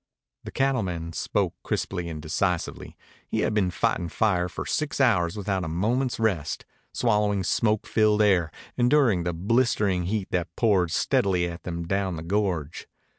The cattleman spoke crisply and decisively. He had been fighting fire for six hours without a moment's rest, swallowing smoke filled air, enduring the blistering heat that poured steadily at them down the gorge.